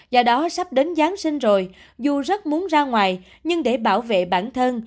do đó sắp đến giáng sinh rồi dù rất muốn ra ngoài nhưng để bảo vệ bản thân